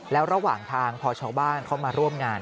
แล้วระหว่างทางพอชาวบ้านเขามาร่วมงาน